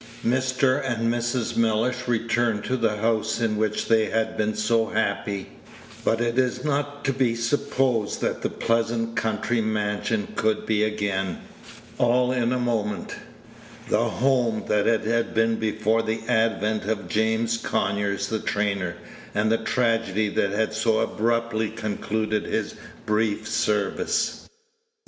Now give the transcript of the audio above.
Mr. and Mrs. Mellish returned to the house in which they had been so happy; but it is not to be supposed that the pleasant country mansion could be again, all in a moment, the home that it had been before the advent of James Conyers, the trainer, and the tragedy that had so abruptly concluded his brief service.